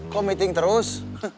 kok meeting terus